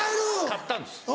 買ったんです。